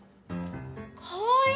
かわいい！